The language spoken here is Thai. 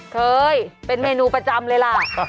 เคยเป็นเมนูประจำเลยล่ะ